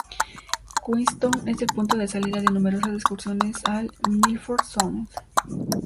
Queenstown es el punto de salida de numerosas excursiones al Milford Sound.